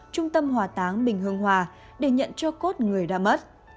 trung tâm hòa táng bình hương hòa để nhận cho cốt người đã mất